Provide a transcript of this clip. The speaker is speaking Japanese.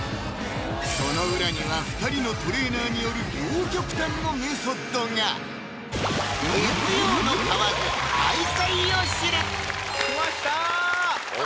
その裏には２人のトレーナーによる両極端のメソッドが！来ました！